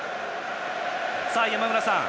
山村さん